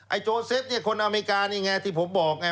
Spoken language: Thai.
ไอ้โจเซฟคนอเมริกานี่ไงที่ผมบอกไง